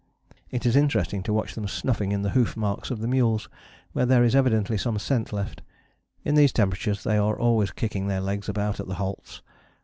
It is interesting to watch them snuffing in the hoof marks of the mules, where there is evidently some scent left. In these temperatures they are always kicking their legs about at the halts.